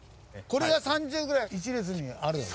これが３０ぐらい１列にあるんですよね？